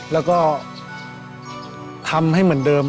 แล้วก็ทำให้เหมือนเดิม